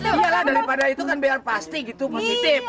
iya lah daripada itu kan biar pasti gitu positif